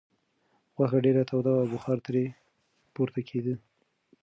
غوښه ډېره توده وه او بخار ترې پورته کېده.